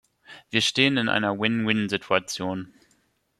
Wir stehen in einer Win-Win-Situation.